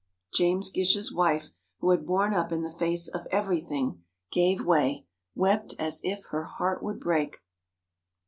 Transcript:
James Gish's wife, who had borne up in the face of everything, gave way, wept as if her heart would break.